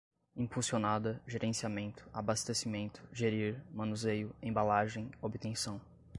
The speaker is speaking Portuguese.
impulsionada, gerenciamento, abastecimento, gerir, manuseio, embalagem, obtenção